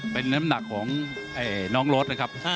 เป็นน้ำหนักของน้องรถนะครับ